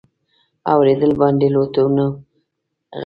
اورېدل باندي لوټونه غیرانونه